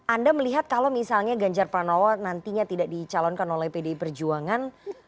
anda melihat kalau misalnya ganjar pranowo nantinya tidak dicalonkan oleh pdi perjuangan